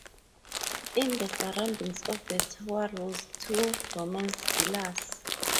In the surroundings of the tower rose two Roman villas.